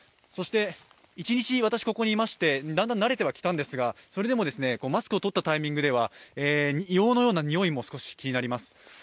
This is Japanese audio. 一日、私ここにいましてだんだん慣れてきたんですが、マスクをとったタイミングでは硫黄のような匂いも少し気になります